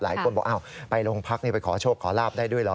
หลายคนบอกอ้าวไปโรงพักไปขอโชคขอลาบได้ด้วยเหรอ